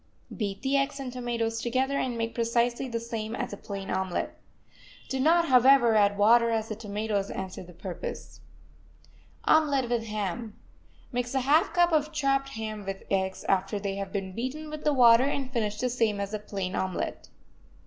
Beat the eggs and tomatoes together, and make precisely the same as a plain omelet. Do not, however, add water, as the tomatoes answer the purpose. OMELET WITH HAM Mix a half cup of chopped ham with the eggs after they have been beaten with the water, and finish the same as a plain omelet.